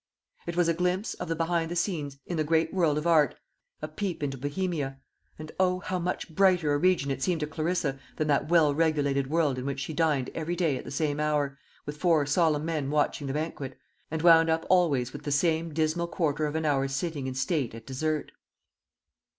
It was a glimpse of the behind the scenes in the great world of art, a peep into Bohemia; and O, how much brighter a region it seemed to Clarissa than that well regulated world in which she dined every day at the same hour, with four solemn men watching the banquet, and wound up always with the same dismal quarter of an hour's sitting in state at dessert!